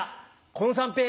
この三平